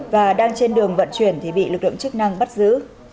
và đang trên đường vận chuyển thì bị lực lượng chức năng bắt giữ